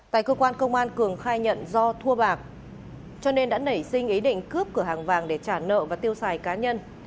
tại cơ quan công an cường khai nhận do thua bạc cho nên đã nảy sinh ý định cướp cửa hàng vàng để trả nợ và tiêu xài cá nhân